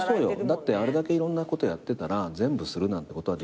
だってあれだけいろんなことやってたら全部するなんてことはできないし。